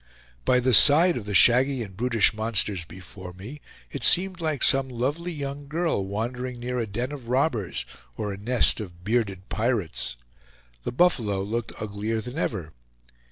By the side of the shaggy and brutish monsters before me, it seemed like some lovely young girl wandering near a den of robbers or a nest of bearded pirates. The buffalo looked uglier than ever.